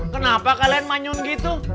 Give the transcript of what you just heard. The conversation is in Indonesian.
kenapa kalian manyun gitu